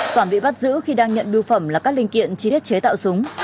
quản bị bắt giữ khi đang nhận bưu phẩm là các linh kiện chi tiết chế tạo súng